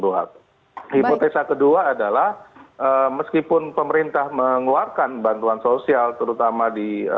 hipotesa kedua adalah meskipun pemerintah mengeluarkan bantuan sosial terutama di